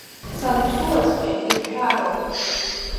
Санԥсуаҵәҟьа ирҳәароуп…